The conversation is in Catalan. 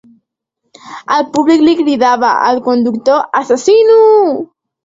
El públic li cridava al conductor “asesino”.